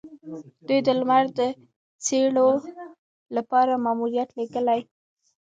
دوی د لمر د څیړلو لپاره ماموریت لیږلی.